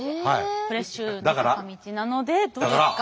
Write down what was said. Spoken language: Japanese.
フレッシュな坂道なのでどうですか？